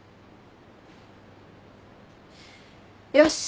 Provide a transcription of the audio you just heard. よし！